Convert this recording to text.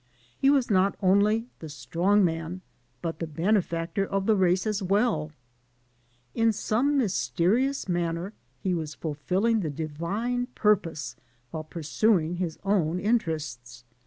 He was not only the strong man, but the bene factor of the race as well. In some mysterious manner he was fulfilling the divine purpose while pursuing his own interests.